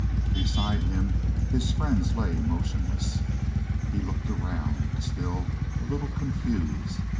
Beside him his friends lay motionless. He looked around, still a little confused.